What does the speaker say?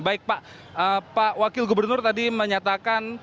baik pak pak wakil gubernur tadi menyampaikan